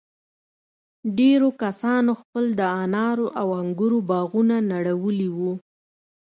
ډېرو کسانو خپل د انارو او انگورو باغونه نړولي وو.